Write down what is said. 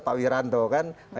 pak wiranto kan